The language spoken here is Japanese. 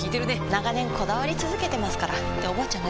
長年こだわり続けてますからっておばあちゃん